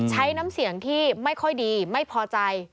น้ำเสียงที่ไม่ค่อยดีไม่พอใจ